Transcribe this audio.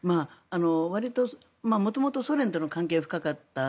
わりと元々ソ連との関係が深かった。